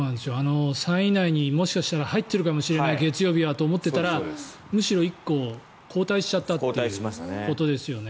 ３位以内に、もしかしたら入っているかもしれない月曜日はと思っていたらむしろ１個後退しちゃったということですよね。